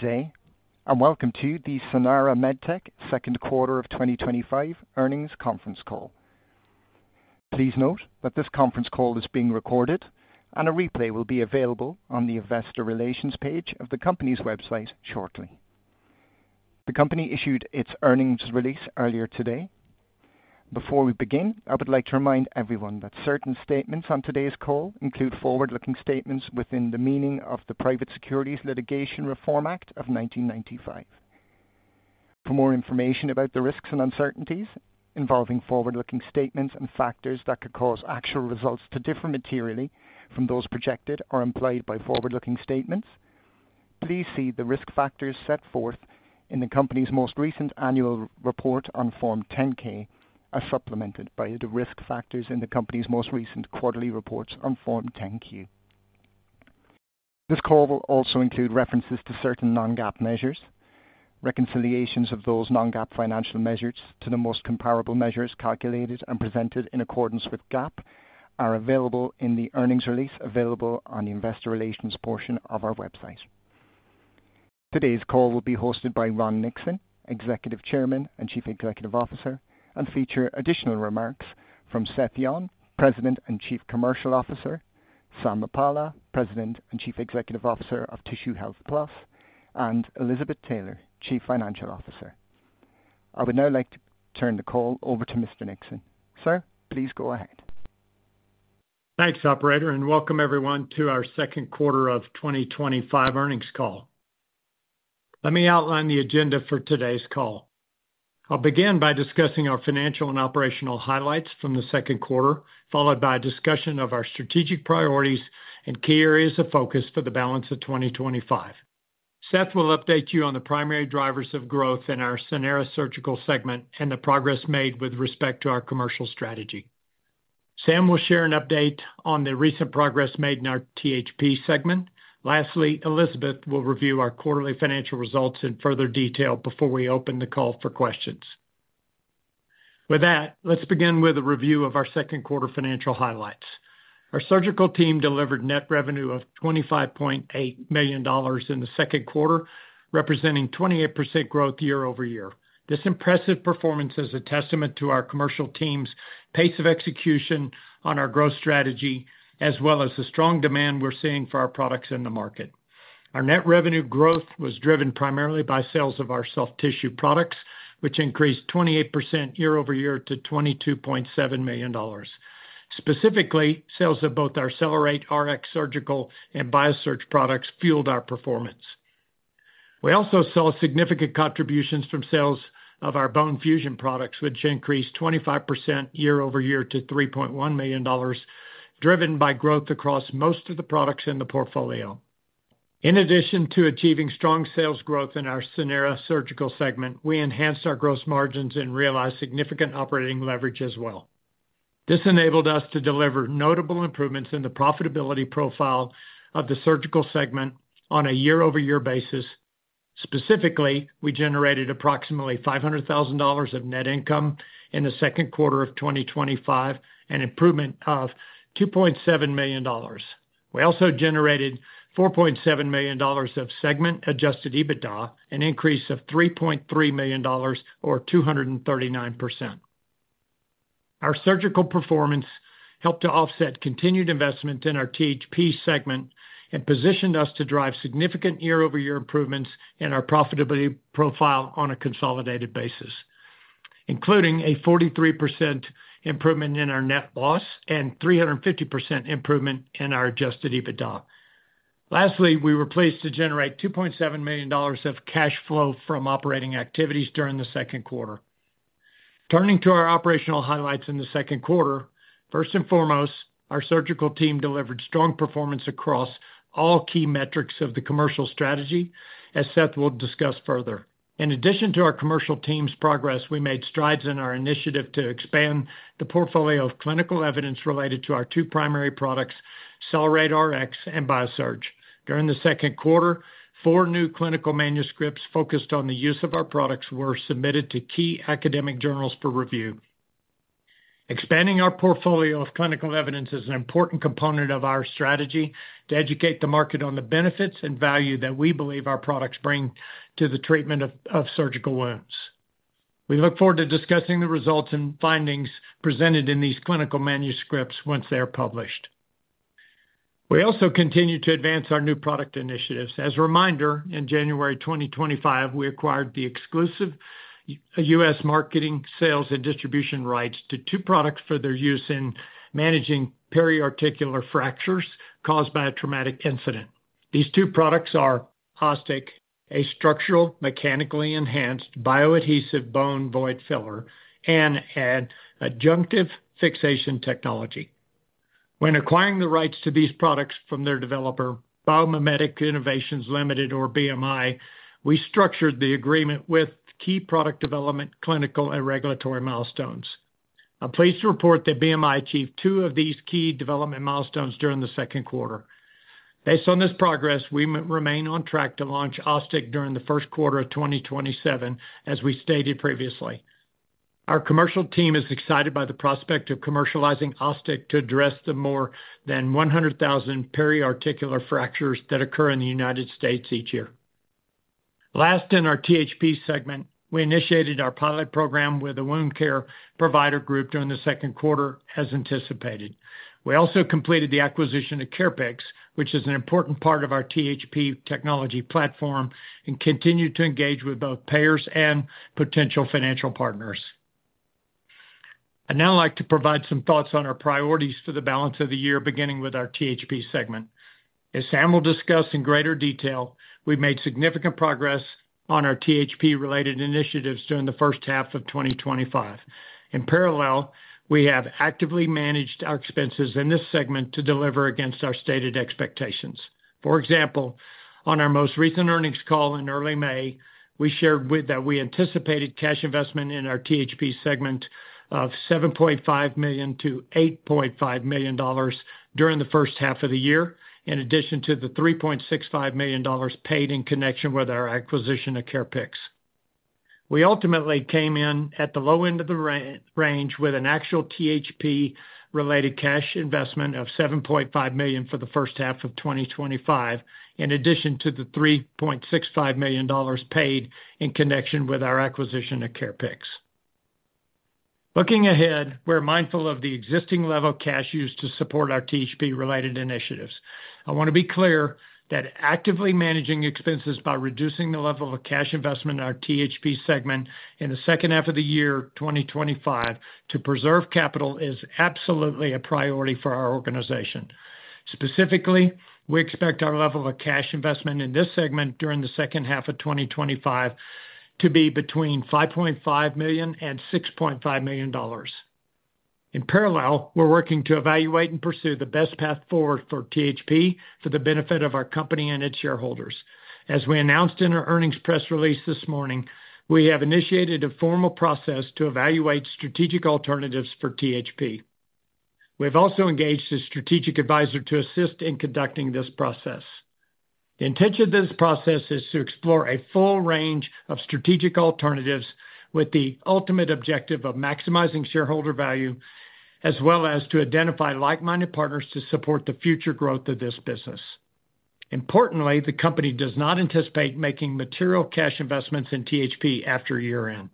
Good day, and welcome to the Sanara MedTech Second Quarter of 2025 Earnings Conference Call. Please note that this conference call is being recorded, and a replay will be available on the Investor Relations page of the company's website shortly. The company issued its earnings release earlier today. Before we begin, I would like to remind everyone that certain statements on today's call include forward-looking statements within the meaning of the Private Securities Litigation Reform Act of 1995. For more information about the risks and uncertainties involving forward-looking statements and factors that could cause actual results to differ materially from those projected or implied by forward-looking statements, please see the risk factors set forth in the company's most recent annual report on Form 10-K, as supplemented by the risk factors in the company's most recent quarterly reports on Form 10-Q. This call will also include references to certain non-GAAP measures. Reconciliations of those non-GAAP financial measures to the most comparable measures calculated and presented in accordance with GAAP are available in the earnings release available on the Investor Relations portion of our website. Today's call will be hosted by Ron Nixon, Executive Chairman and Chief Executive Officer, and feature additional remarks from Seth Yon, President and Chief Commercial Officer, Sam Muppalla, President and Chief Executive Officer of Tissue Health Plus, and Elizabeth Taylor, Chief Financial Officer. I would now like to turn the call over to Mr. Nixon. Sir, please go ahead. Thanks, Operator, and welcome everyone to our second quarter of 2025 earnings call. Let me outline the agenda for today's call. I'll begin by discussing our financial and operational highlights from the second quarter, followed by a discussion of our strategic priorities and key areas of focus for the balance of 2025. Seth will update you on the primary drivers of growth in our Sanara Surgical segment and the progress made with respect to our commercial strategy. Sam will share an update on the recent progress made in our THP segment. Lastly, Elizabeth will review our quarterly financial results in further detail before we open the call for questions. With that, let's begin with a review of our second quarter financial highlights. Our surgical team delivered net revenue of $25.8 million in the second quarter, representing 28% growth year-over-year. This impressive performance is a testament to our commercial team's pace of execution on our growth strategy, as well as the strong demand we're seeing for our products in the market. Our net revenue growth was driven primarily by sales of our soft tissue products, which increased 28% year-over-year to $22.7 million. Specifically, sales of both our CellerateRX Surgical and BIASURGE products fueled our performance. We also saw significant contributions from sales of our bone fusion products, which increased 25% year-over-year to $3.1 million, driven by growth across most of the products in the portfolio. In addition to achieving strong sales growth in our Sanara Surgical segment, we enhanced our gross margins and realized significant operating leverage as well. This enabled us to deliver notable improvements in the profitability profile of the surgical segment on a year-over-year basis. Specifically, we generated approximately $500,000 of net income in the second quarter of 2025, an improvement of $2.7 million. We also generated $4.7 million of segment-adjusted EBITDA, an increase of $3.3 million, or 239%. Our surgical performance helped to offset continued investment in our THP segment and positioned us to drive significant year-over-year improvements in our profitability profile on a consolidated basis, including a 43% improvement in our net loss and a 350% improvement in our adjusted EBITDA. Lastly, we were pleased to generate $2.7 million of cash flow from operating activities during the second quarter. Turning to our operational highlights in the second quarter, first and foremost, our surgical team delivered strong performance across all key metrics of the commercial strategy, as Seth will discuss further. In addition to our commercial team's progress, we made strides in our initiative to expand the portfolio of clinical evidence related to our two primary products, CellerateRX and BIASURGE. During the second quarter, four new clinical manuscripts focused on the use of our products were submitted to key academic journals for review. Expanding our portfolio of clinical evidence is an important component of our strategy to educate the market on the benefits and value that we believe our products bring to the treatment of surgical wounds. We look forward to discussing the results and findings presented in these clinical manuscripts once they are published. We also continue to advance our new product initiatives. As a reminder, in January 2025, we acquired the exclusive U.S. marketing, sales, and distribution rights to two products for their use in managing periarticular fractures caused by a traumatic incident. These two products are OsStic, a structural mechanically enhanced bioadhesive bone void filler, and an adjunctive fixation technology. When acquiring the rights to these products from their developer, Biomimetic Innovations Ltd., or BMI, we structured the agreement with key product development, clinical, and regulatory milestones. I'm pleased to report that BMI achieved two of these key development milestones during the second quarter. Based on this progress, we remain on track to launch OsStic during the first quarter of 2027, as we stated previously. Our commercial team is excited by the prospect of commercializing OsStic to address the more than 100,000 periarticular fractures that occur in the U.S. each year. Last, in our THP segment, we initiated our pilot program with a wound care provider group during the second quarter, as anticipated. We also completed the acquisition of CarePICS, which is an important part of our THP technology platform, and continue to engage with both payers and potential financial partners. I'd now like to provide some thoughts on our priorities for the balance of the year, beginning with our THP segment. As Sam will discuss in greater detail, we made significant progress on our THP-related initiatives during the first half of 2025. In parallel, we have actively managed our expenses in this segment to deliver against our stated expectations. For example, on our most recent earnings call in early May, we shared that we anticipated cash investment in our THP segment of $7.5 million-$8.5 million during the first half of the year, in addition to the $3.65 million paid in connection with our acquisition of CarePICS. We ultimately came in at the low end of the range with an actual THP-related cash investment of $7.5 million for the first half of 2025, in addition to the $3.65 million paid in connection with our acquisition of CarePICS. Looking ahead, we're mindful of the existing level of cash used to support our THP-related initiatives. I want to be clear that actively managing expenses by reducing the level of cash investment in our THP segment in the second half of the year 2025 to preserve capital is absolutely a priority for our organization. Specifically, we expect our level of cash investment in this segment during the second half of 2025 to be between $5.5 million and $6.5 million. In parallel, we're working to evaluate and pursue the best path forward for THP for the benefit of our company and its shareholders. As we announced in our earnings press release this morning, we have initiated a formal process to evaluate strategic alternatives for THP. We've also engaged a strategic advisor to assist in conducting this process. The intention of this process is to explore a full range of strategic alternatives with the ultimate objective of maximizing shareholder value, as well as to identify like-minded partners to support the future growth of this business. Importantly, the company does not anticipate making material cash investments in THP after year-end.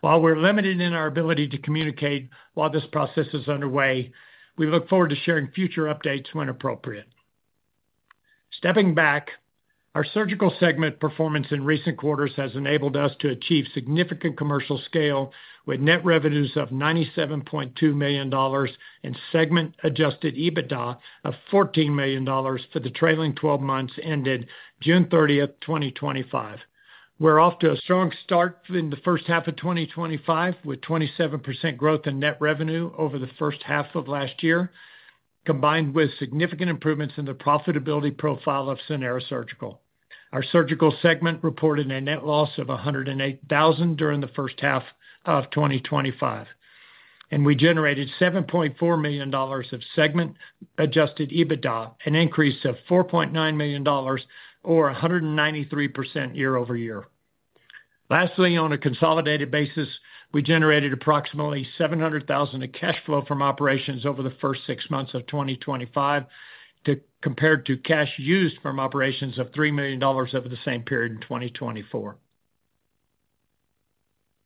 While we're limited in our ability to communicate while this process is underway, we look forward to sharing future updates when appropriate. Stepping back, our surgical segment performance in recent quarters has enabled us to achieve significant commercial scale with net revenues of $97.2 million and segment-adjusted EBITDA of $14 million for the trailing 12 months ended June 30th, 2025. We're off to a strong start in the first half of 2025 with 27% growth in net revenue over the first half of last year, combined with significant improvements in the profitability profile of Sanara Surgical. Our surgical segment reported a net loss of $108,000 during the first half of 2025, and we generated $7.4 million of segment-adjusted EBITDA, an increase of $4.9 million, or 193% year-over-year. Lastly, on a consolidated basis, we generated approximately $700,000 of cash flow from operations over the first six months of 2025, compared to cash used from operations of $3 million over the same period in 2024.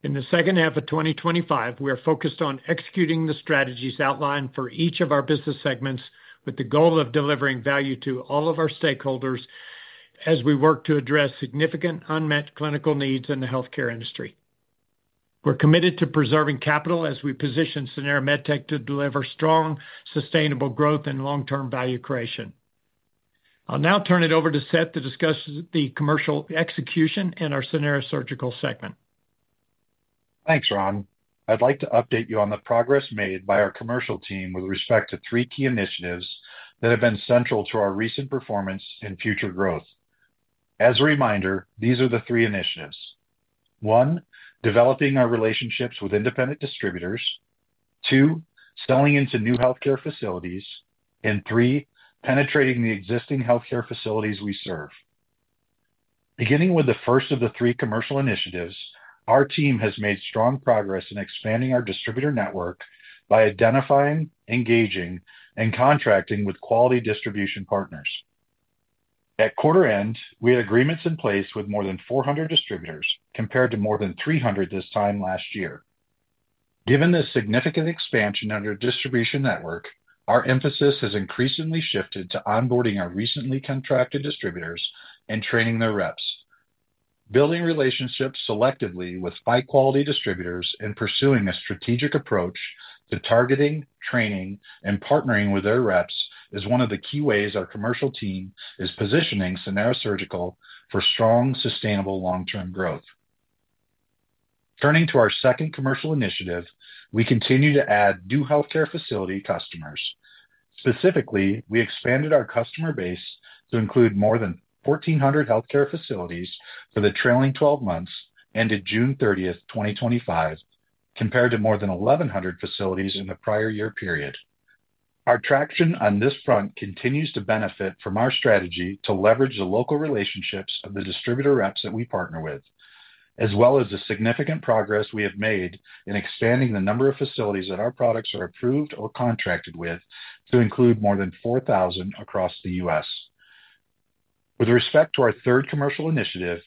In the second half of 2025, we are focused on executing the strategies outlined for each of our business segments with the goal of delivering value to all of our stakeholders as we work to address significant unmet clinical needs in the healthcare industry. We're committed to preserving capital as we position Sanara MedTech to deliver strong, sustainable growth and long-term value creation. I'll now turn it over to Seth to discuss the commercial execution in our Sanara Surgical segment. Thanks, Ron. I'd like to update you on the progress made by our commercial team with respect to three key initiatives that have been central to our recent performance and future growth. As a reminder, these are the three initiatives: one, developing our relationships with independent distributors; two, selling into new healthcare facilities; and three, penetrating the existing healthcare facilities we serve. Beginning with the first of the three commercial initiatives, our team has made strong progress in expanding our distributor network by identifying, engaging, and contracting with quality distribution partners. At quarter end, we had agreements in place with more than 400 distributors, compared to more than 300 this time last year. Given the significant expansion in our distribution network, our emphasis has increasingly shifted to onboarding our recently contracted distributors and training their reps. Building relationships selectively with high-quality distributors and pursuing a strategic approach to targeting, training, and partnering with their reps is one of the key ways our commercial team is positioning Sanara Surgical for strong, sustainable long-term growth. Turning to our second commercial initiative, we continue to add new healthcare facility customers. Specifically, we expanded our customer base to include more than 1,400 healthcare facilities for the trailing 12 months ended June 30, 2025, compared to more than 1,100 facilities in the prior year period. Our traction on this front continues to benefit from our strategy to leverage the local relationships of the distributor reps that we partner with, as well as the significant progress we have made in expanding the number of facilities that our products are approved or contracted with to include more than 4,000 across the U.S. With respect to our third commercial initiative,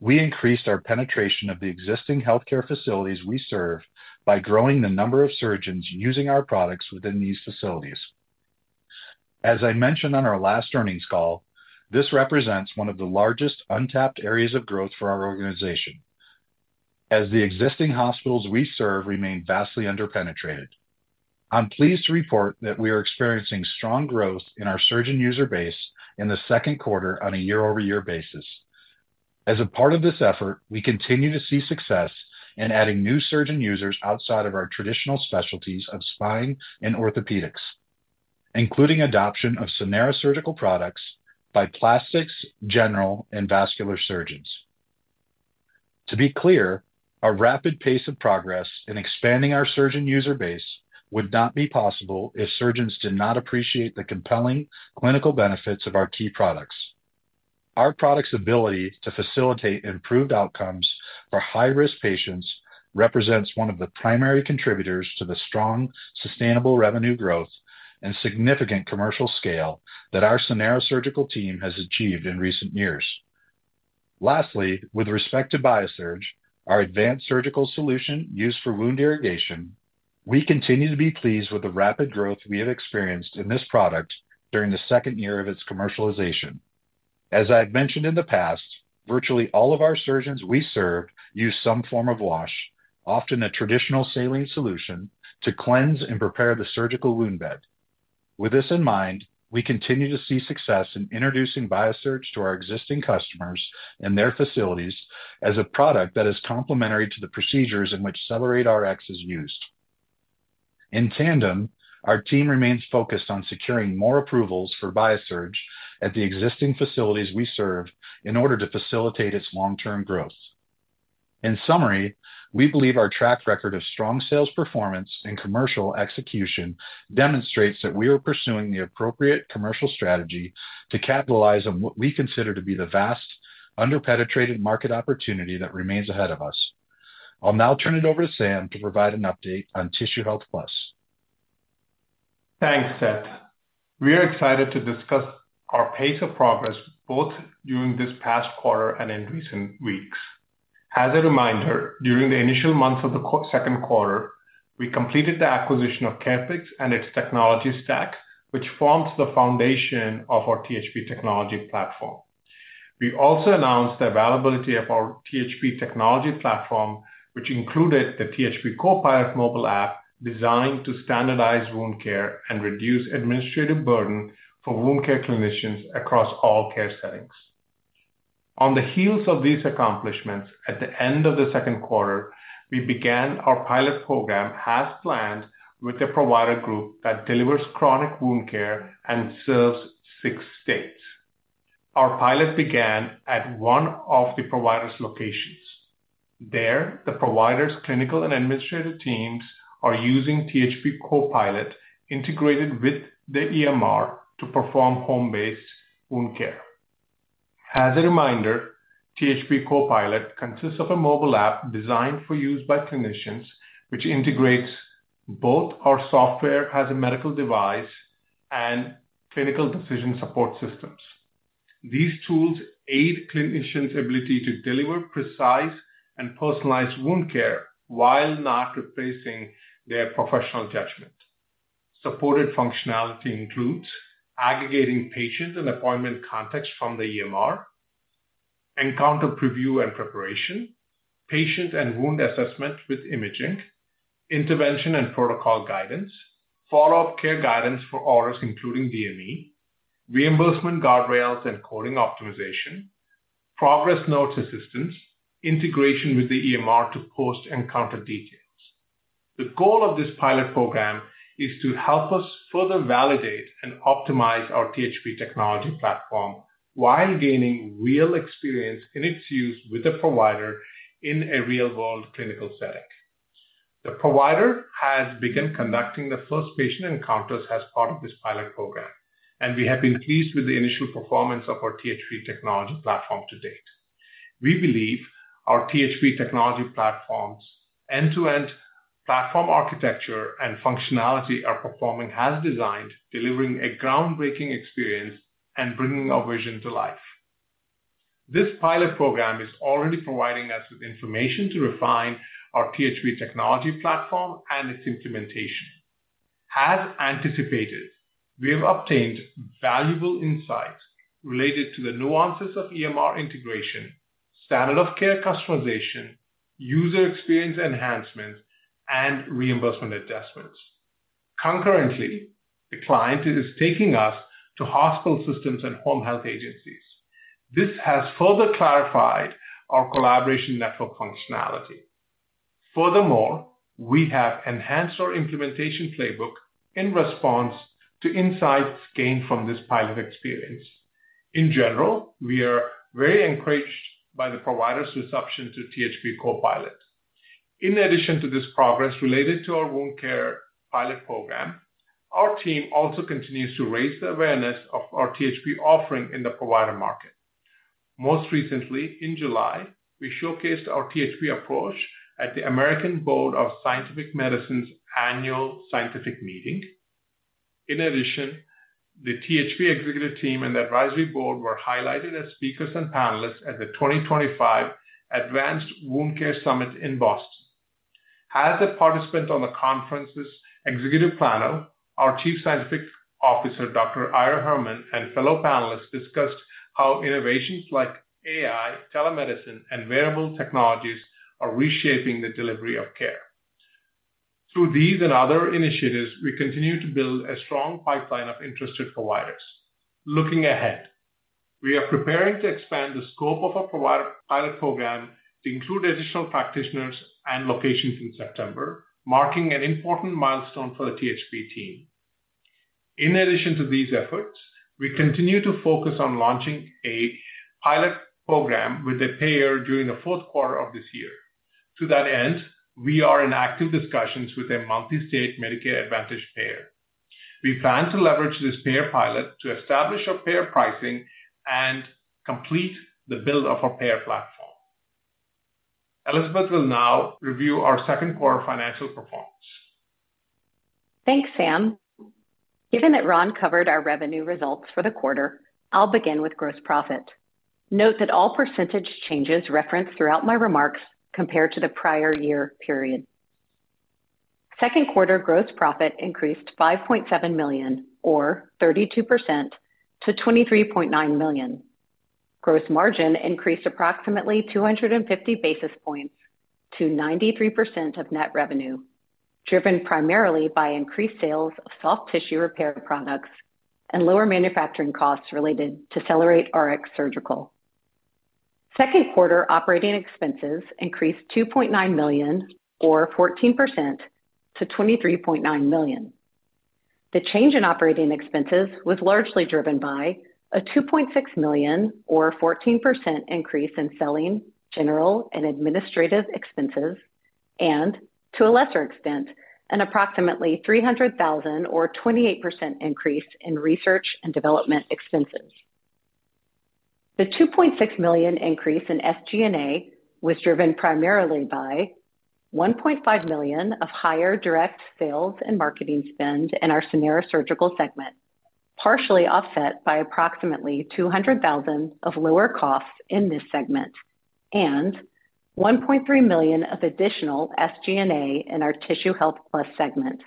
we increased our penetration of the existing healthcare facilities we serve by growing the number of surgeons using our products within these facilities. As I mentioned on our last earnings call, this represents one of the largest untapped areas of growth for our organization, as the existing hospitals we serve remain vastly underpenetrated. I'm pleased to report that we are experiencing strong growth in our surgeon user base in the second quarter on a year-over-year basis. As a part of this effort, we continue to see success in adding new surgeon users outside of our traditional specialties of spine and orthopedics, including adoption of Sanara Surgical products by plastics, general, and vascular surgeons. To be clear, a rapid pace of progress in expanding our surgeon user base would not be possible if surgeons did not appreciate the compelling clinical benefits of our key products. Our products' ability to facilitate improved outcomes for high-risk patients represents one of the primary contributors to the strong, sustainable revenue growth and significant commercial scale that our Sanara Surgical team has achieved in recent years. Lastly, with respect to BIASURGE, our advanced surgical solution used for wound irrigation, we continue to be pleased with the rapid growth we have experienced in this product during the second year of its commercialization. As I've mentioned in the past, virtually all of our surgeons we serve use some form of wash, often a traditional saline solution, to cleanse and prepare the surgical wound bed. With this in mind, we continue to see success in introducing BIASURGE to our existing customers and their facilities as a product that is complementary to the procedures in which CellerateRX is used. In tandem, our team remains focused on securing more approvals for BIASURGE at the existing facilities we serve in order to facilitate its long-term growth. In summary, we believe our track record of strong sales performance and commercial execution demonstrates that we are pursuing the appropriate commercial strategy to capitalize on what we consider to be the vast, underpenetrated market opportunity that remains ahead of us. I'll now turn it over to Sam to provide an update on Tissue Health Plus. Thanks, Seth. We are excited to discuss our pace of progress both during this past quarter and in recent weeks. As a reminder, during the initial months of the second quarter, we completed the acquisition of CarePICS and its technology stack, which forms the foundation of our THP technology platform. We also announced the availability of our THP technology platform, which included the THP Copilot mobile app designed to standardize wound care and reduce administrative burden for wound care clinicians across all care settings. On the heels of these accomplishments, at the end of the second quarter, we began our pilot program as planned with a provider group that delivers chronic wound care and serves six states. Our pilot began at one of the provider's locations. There, the provider's clinical and administrative teams are using THP Copilot integrated with the EMR to perform home-based wound care. As a reminder, THP Copilot consists of a mobile app designed for use by clinicians, which integrates both our software as a medical device and clinical decision support systems. These tools aid clinicians' ability to deliver precise and personalized wound care while not replacing their professional judgment. Supported functionality includes aggregating patient and appointment contacts from the EMR, encounter preview and preparation, patient and wound assessment with imaging, intervention and protocol guidance, follow-up care guidance for orders including DME, reimbursement guardrails and coding optimization, progress notes assistance, integration with the EMR to post encounter details. The goal of this pilot program is to help us further validate and optimize our THP technology platform while gaining real experience in its use with a provider in a real-world clinical setting. The provider has begun conducting the first patient encounters as part of this pilot program, and we have been pleased with the initial performance of our THP technology platform to date. We believe our THP technology platform's end-to-end platform architecture and functionality are performing as designed, delivering a groundbreaking experience and bringing our vision to life. This pilot program is already providing us with information to refine our THP technology platform and its implementation. As anticipated, we have obtained valuable insights related to the nuances of EMR integration, standard of care customization, user experience enhancements, and reimbursement adjustments. Concurrently, the client is taking us to hospital systems and home health agencies. This has further clarified our collaboration network functionality. Furthermore, we have enhanced our implementation playbook in response to insights gained from this pilot experience. In general, we are very encouraged by the provider's reception to THP Copilot. In addition to this progress related to our wound care pilot program, our team also continues to raise the awareness of our THP offering in the provider market. Most recently, in July, we showcased our THP approach at the American Board of Scientific Medicine's annual scientific meeting. In addition, the THP executive team and the advisory board were highlighted as speakers and panelists at the 2025 Advanced Wound Care Summit in Boston. As a participant on the conference's executive panel, our Chief Scientific Officer, Dr. Ira Herman, and fellow panelists discussed how innovations like AI, telemedicine, and wearable technologies are reshaping the delivery of care. Through these and other initiatives, we continue to build a strong pipeline of interested providers. Looking ahead, we are preparing to expand the scope of our pilot program to include additional practitioners and locations in September, marking an important milestone for the THP team. In addition to these efforts, we continue to focus on launching a pilot program with a payer during the fourth quarter of this year. To that end, we are in active discussions with a multi-state Medicare Advantage payer. We plan to leverage this payer pilot to establish our payer pricing and complete the build of our payer platform. Elizabeth will now review our second quarter financial performance. Thanks, Sam. Given that Ron covered our revenue results for the quarter, I'll begin with gross profit. Note that all percentage changes referenced throughout my remarks compare to the prior year period. Second quarter gross profit increased $5.7 million, or 32%, to $23.9 million. Gross margin increased approximately 250 basis points to 93% of net revenue, driven primarily by increased sales of soft tissue repair products and lower manufacturing costs related to CellerateRX Surgical. Second quarter operating expenses increased $2.9 million, or 14%, to $23.9 million. The change in operating expenses was largely driven by a $2.6 million, or 14%, increase in selling, general, and administrative expenses, and to a lesser extent, an approximately $300,000, or 28%, increase in research and development expenses. The $2.6 million increase in SG&A was driven primarily by $1.5 million of higher direct sales and marketing spend in our Sanara Surgical segment, partially offset by approximately $200,000 of lower costs in this segment, and $1.3 million of additional SG&A in our Tissue Health Plus segment.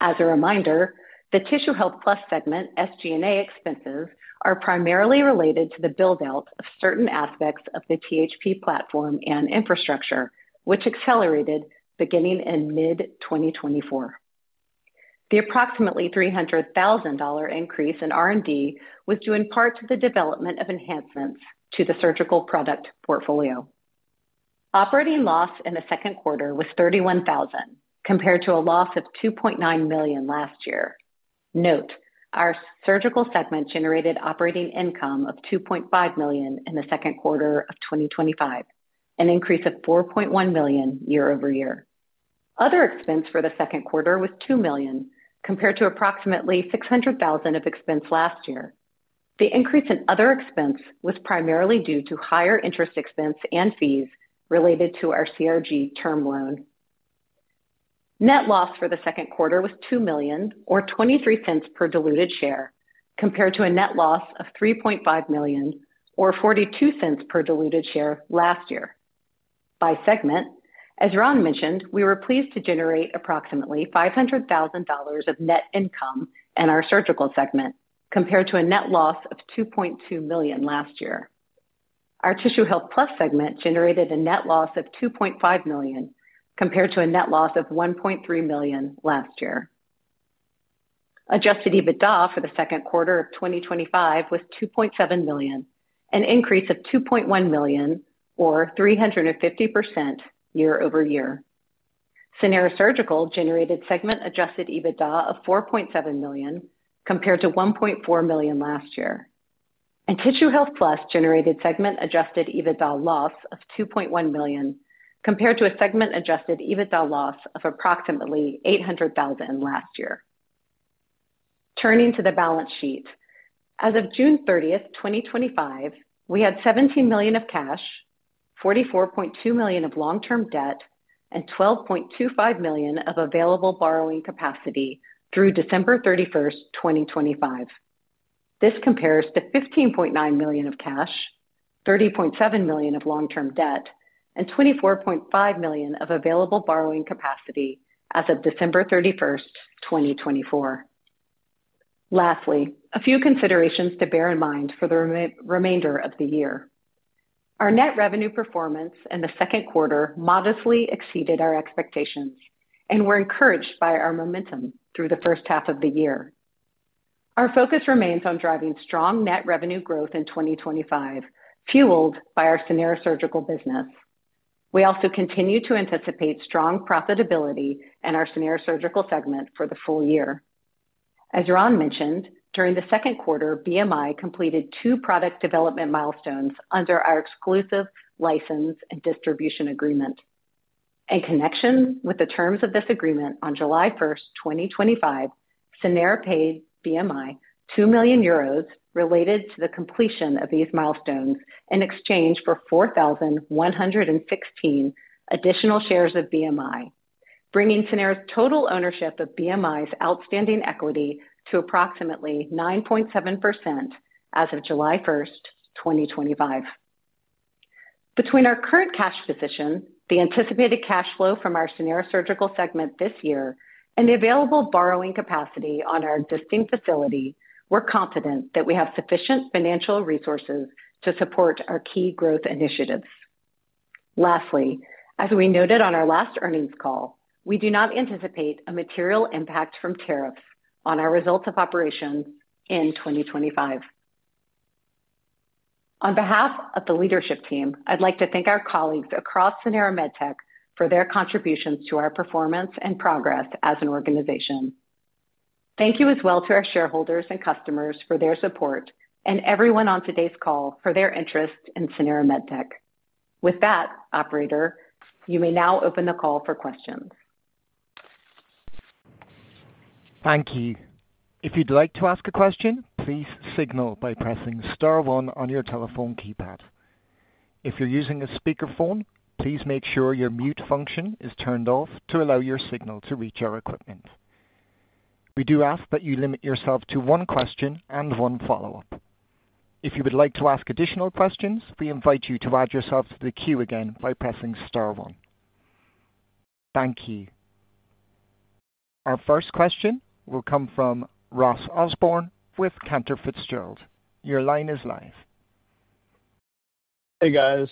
As a reminder, the Tissue Health Plus segment SG&A expenses are primarily related to the build-out of certain aspects of the THP platform and infrastructure, which accelerated beginning in mid-2024. The approximately $300,000 increase in R&D was due in part to the development of enhancements to the surgical product portfolio. Operating loss in the second quarter was $31,000, compared to a loss of $2.9 million last year. Note, our surgical segment generated operating income of $2.5 million in the second quarter of 2025, an increase of $4.1 million year-over-year. Other expense for the second quarter was $2 million, compared to approximately $600,000 of expense last year. The increase in other expense was primarily due to higher interest expense and fees related to our CRG term loan. Net loss for the second quarter was $2 million, or $0.23 per diluted share, compared to a net loss of $3.5 million, or $0.42 per diluted share last year. By segment, as Ron mentioned, we were pleased to generate approximately $500,000 of net income in our surgical segment, compared to a net loss of $2.2 million last year. Our Tissue Health Plus segment generated a net loss of $2.5 million, compared to a net loss of $1.3 million last year. Adjusted EBITDA for the second quarter of 2025 was $2.7 million, an increase of $2.1 million, or 350% year-over-year. Sanara Surgical generated segment-adjusted EBITDA of $4.7 million, compared to $1.4 million last year. Tissue Health Plus generated segment-adjusted EBITDA loss of $2.1 million, compared to a segment-adjusted EBITDA loss of approximately $800,000 last year. Turning to the balance sheet, as of June 30th, 2025, we had $17 million of cash, $44.2 million of long-term debt, and $12.25 million of available borrowing capacity through December 31st, 2025. This compares to $15.9 million of cash, $30.7 million of long-term debt, and $24.5 million of available borrowing capacity as of December 31st, 2024. Lastly, a few considerations to bear in mind for the remainder of the year. Our net revenue performance in the second quarter modestly exceeded our expectations and we are encouraged by our momentum through the first half of the year. Our focus remains on driving strong net revenue growth in 2025, fueled by our Sanara Surgical business. We also continue to anticipate strong profitability in our Sanara Surgical segment for the full year. As Ron mentioned, during the second quarter, BMI completed two product development milestones under our exclusive license and distribution agreement. In connection with the terms of this agreement, on July 1st, 2025, Sanara paid BMI 2 million euros related to the completion of these milestones in exchange for 4,116 additional shares of BMI, bringing Sanara's total ownership of BMI's outstanding equity to approximately 9.7% as of July 1st, 2025. Between our current cash position, the anticipated cash flow from our Sanara Surgical segment this year, and the available borrowing capacity on our distinct facility, we are confident that we have sufficient financial resources to support our key growth initiatives. As we noted on our last earnings call, we do not anticipate a material impact from tariffs on our results of operations in 2025. On behalf of the leadership team, I'd like to thank our colleagues across Sanara MedTech for their contributions to our performance and progress as an organization. Thank you as well to our shareholders and customers for their support and everyone on today's call for their interest in Sanara MedTech. With that, Operator, you may now open the call for questions. Thank you. If you'd like to ask a question, please signal by pressing *1 on your telephone keypad. If you're using a speakerphone, please make sure your mute function is turned off to allow your signal to reach our equipment. We do ask that you limit yourself to one question and one follow-up. If you would like to ask additional questions, we invite you to add yourself to the queue again by pressing *1. Thank you. Our first question will come from Ross Osborn with Cantor Fitzgerald. Your line is live. Hey, guys.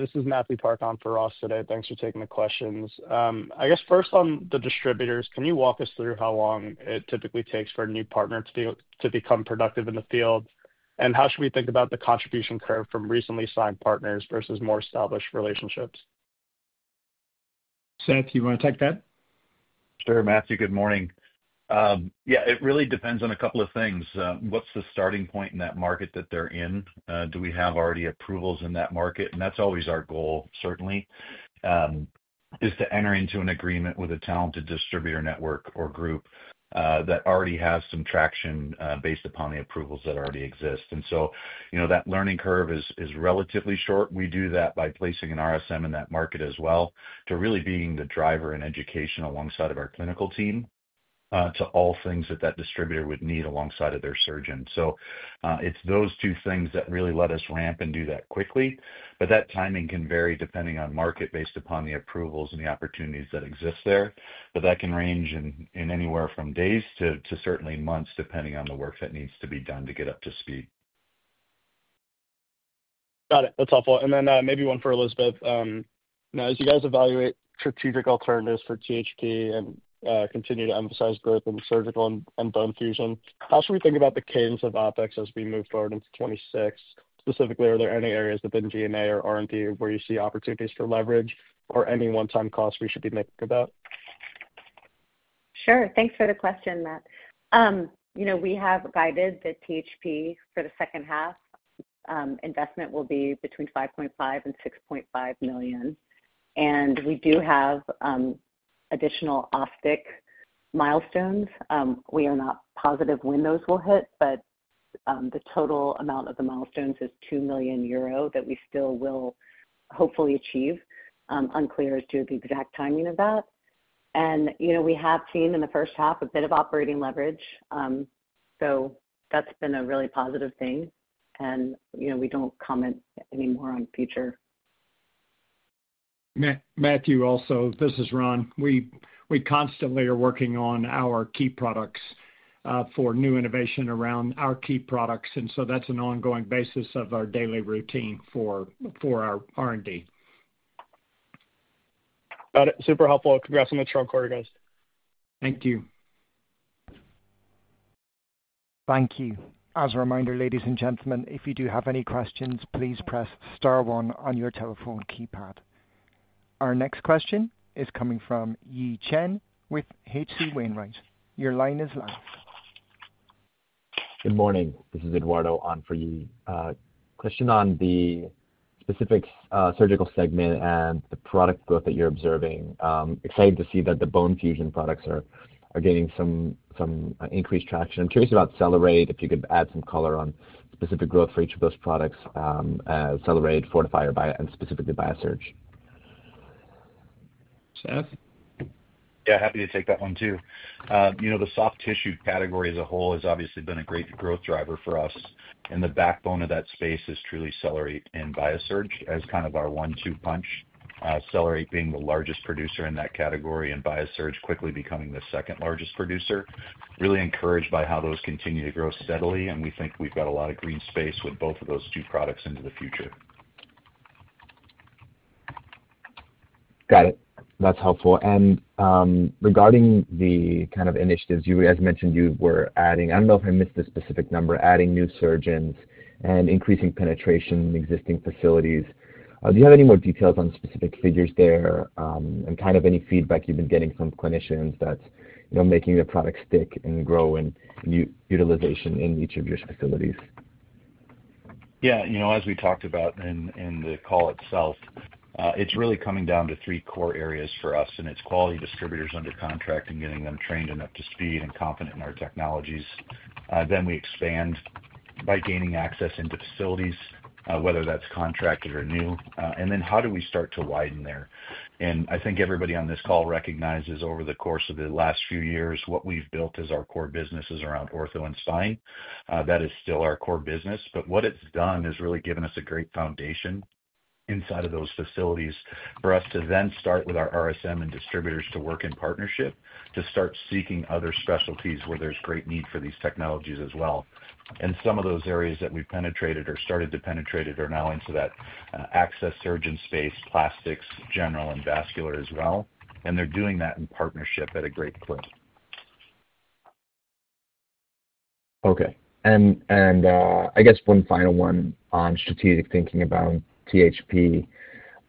This is Matthew Parcon for Ross today. Thanks for taking the questions. I guess first on the distributors, can you walk us through how long it typically takes for a new partner to become productive in the field? How should we think about the contribution curve from recently signed partners versus more established relationships? Seth, you want to take that? Sure, Matthew. Good morning. Yeah, it really depends on a couple of things. What's the starting point in that market that they're in? Do we have already approvals in that market? That's always our goal, certainly. To enter into an agreement with a talented distributor network or group that already has some traction based upon the approvals that already exist. That learning curve is relatively short. We do that by placing an RSM in that market as well, to really be the driver in education alongside our clinical team, to all things that that distributor would need alongside their surgeon. It's those two things that really let us ramp and do that quickly. That timing can vary depending on market based upon the approvals and the opportunities that exist there. That can range anywhere from days to certainly months, depending on the work that needs to be done to get up to speed. Got it. That's helpful. Maybe one for Elizabeth. Now, as you guys evaluate strategic alternatives for THP and continue to emphasize growth in surgical and bone fusion, how should we think about the cadence of OpEx as we move forward into 2026? Specifically, are there any areas within G&A or R&D where you see opportunities for leverage or any one-time costs we should be thinking about? Sure. Thanks for the question, Matt. We have guided the THP for the second half. Investment will be between $5.5 million and $6.5 million. We do have additional OsStic milestones. We are not positive when those will hit, but the total amount of the milestones is 2 million euro that we still will hopefully achieve. Unclear as to the exact timing of that. We have seen in the first half a bit of operating leverage. That's been a really positive thing. We don't comment anymore on future. Matthew, also, this is Ron. We constantly are working on our key products for new innovation around our key products. That's an ongoing basis of our daily routine for our R&D. Got it. Super helpful. Congrats on the next quarter, guys. Thank you. Thank you. As a reminder, ladies and gentlemen, if you do have any questions, please press *1 on your telephone keypad. Our next question is coming from Yi Chen with H.C. Wainwright. Your line is live. Good morning. This is Eduardo on for Yi. Question on the specific surgical segment and the product growth that you're observing. Exciting to see that the bone fusion products are gaining some increased traction. I'm curious about CellerateRX, if you could add some color on specific growth for each of those products, CellerateRX and specifically BIASURGE. Seth? Happy to take that one too. You know, the soft tissue category as a whole has obviously been a great growth driver for us. The backbone of that space is truly CellerateRX and BIASURGE as kind of our one-two punch. CellerateRX being the largest producer in that category and BIASURGE quickly becoming the second largest producer. Really encouraged by how those continue to grow steadily. We think we've got a lot of green space with both of those two products into the future. Got it. That's helpful. Regarding the kind of initiatives, you mentioned you were adding, I don't know if I missed this specific number, adding new surgeons and increasing penetration in existing facilities. Do you have any more details on specific figures there and any feedback you've been getting from clinicians that's making the product stick and grow in utilization in each of your facilities? Yeah, as we talked about in the call itself, it's really coming down to three core areas for us. It's quality distributors under contract and getting them trained and up to speed and confident in our technologies. We expand by gaining access into facilities, whether that's contracted or new. How do we start to widen there? I think everybody on this call recognizes over the course of the last few years what we've built as our core businesses around ortho and spine. That is still our core business. What it's done is really given us a great foundation inside of those facilities for us to then start with our RSM and distributors to work in partnership to start seeking other specialties where there's great need for these technologies as well. Some of those areas that we've penetrated or started to penetrate are now into that access surgeon space, plastics, general, and vascular as well. They're doing that in partnership at a great point. Okay. I guess just one final one on strategic thinking about THP.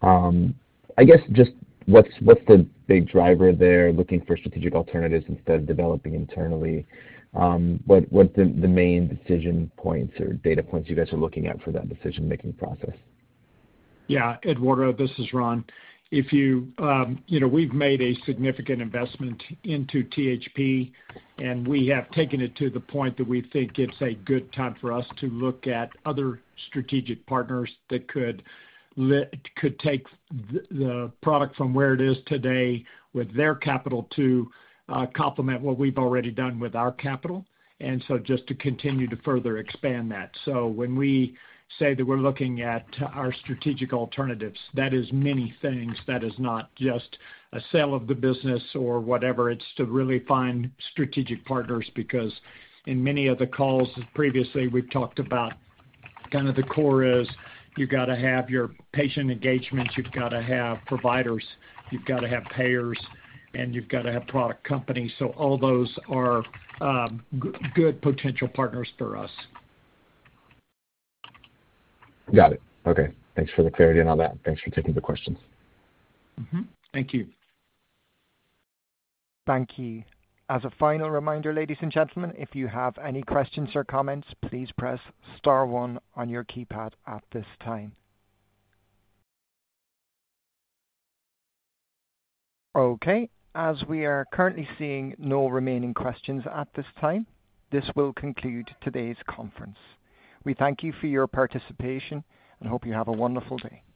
What's the big driver there looking for strategic alternatives instead of developing internally? What are the main decision points or data points you guys are looking at for that decision-making process? Yeah, Eduardo, this is Ron. We've made a significant investment into THP, and we have taken it to the point that we think it's a good time for us to look at other strategic partners that could take the product from where it is today with their capital to complement what we've already done with our capital. Just to continue to further expand that. When we say that we're looking at our strategic alternatives, that is many things. That is not just a sale of the business or whatever. It's to really find strategic partners because in many of the calls previously, we've talked about kind of the core is you've got to have your patient engagements, you've got to have providers, you've got to have payers, and you've got to have product companies. All those are good potential partners for us. Got it. Okay. Thanks for the clarity on all that. Thanks for taking the questions. Thank you. Thank you. As a final reminder, ladies and gentlemen, if you have any questions or comments, please press *1 on your keypad at this time. As we are currently seeing no remaining questions at this time, this will conclude today's conference. We thank you for your participation and hope you have a wonderful day.